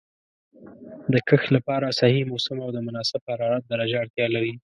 د کښت لپاره صحیح موسم او د مناسب حرارت درجه اړتیا لري.